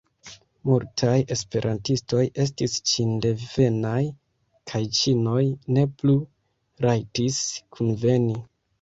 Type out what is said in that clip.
Multaj esperantistoj estis ĉindevenaj, kaj ĉinoj ne plu rajtis kunveni.